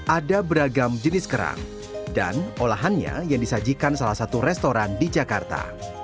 ada beragam jenis kerang dan olahannya yang disajikan salah satu restoran di jakarta